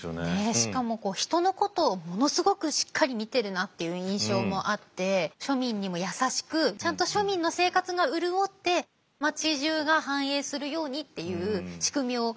しかも人のことをものすごくしっかり見てるなっていう印象もあって庶民にも優しくちゃんと庶民の生活が潤って町じゅうが繁栄するようにっていう仕組みを考えられたんでしょうね。